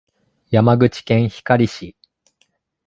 山口県光市